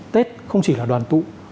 tết không chỉ là đoàn tụ